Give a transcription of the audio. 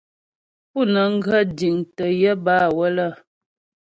Pú nə́ŋ ghə jiŋtə́ yə bâ wələ.